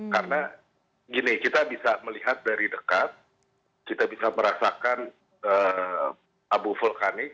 karena gini kita bisa melihat dari dekat kita bisa merasakan abu vulkanik